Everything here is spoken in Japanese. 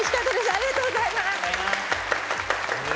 ありがとうございます